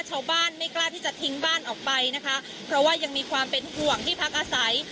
ชาวบ้านไม่กล้าที่จะทิ้งบ้านออกไปนะคะเพราะว่ายังมีความเป็นห่วงที่พักอาศัย